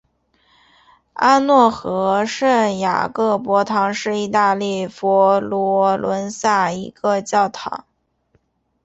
阿诺河圣雅各伯堂是意大利佛罗伦萨一个教堂。